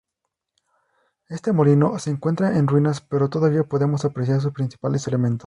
Este molino se encuentra en ruinas pero todavía podemos apreciar sus principales elementos.